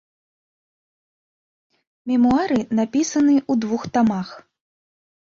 Мемуары напісаны ў двух тамах.